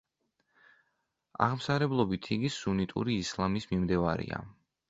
აღმსარებლობით იგი სუნიტური ისლამის მიმდევარია.